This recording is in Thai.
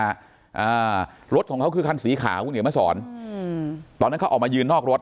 อ่ารถของเขาคือคันสีขาวคุณเหนียวมาสอนอืมตอนนั้นเขาออกมายืนนอกรถ